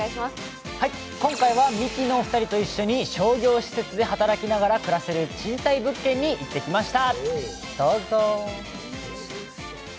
今回はミキのお二人と一緒に商業施設で働きながら暮らせる賃貸物件に行ってきました。